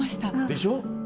でしょ？